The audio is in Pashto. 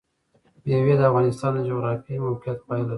مېوې د افغانستان د جغرافیایي موقیعت پایله ده.